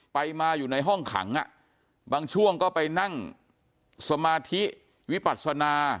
ไปมาอยู่ในห้องขังบางช่วงก็ไปนั่งสมาธิวิปัศนา